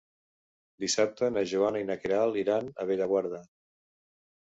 Dissabte na Joana i na Queralt iran a Bellaguarda.